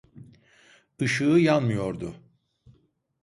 ışığı yanmıyordu